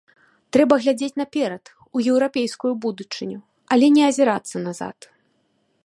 Трэба глядзець наперад, у еўрапейскую будучыню, але не азірацца назад.